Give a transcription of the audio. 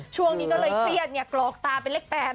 ช่วงนี้ก็เลยเตรียดเนี่ยกรอกตาเป็นเล็กแปด